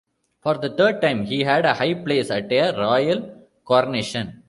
For the third time, he had a high place at a royal coronation.